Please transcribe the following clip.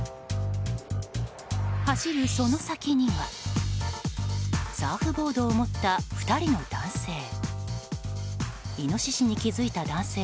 走るその先にはサーフボードを持った２人の男性。